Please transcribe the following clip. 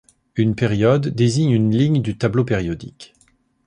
Une période désigne une ligne du tableau périodique.